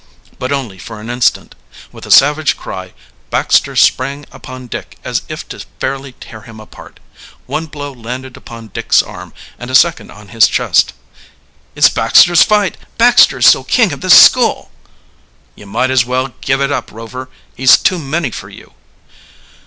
But only for an instant. With a savage cry Baxter sprang upon Dick as if to fairly tear him apart. One blow landed upon Dick's arm and a second on his chest. "It's Baxter's fight! Baxter is still king of this school!" "You might as well give it up, Rover; he's too many for you!"